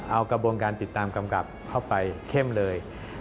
เอากระบวนการติดตามกำกับเข้าไปเข้มเลย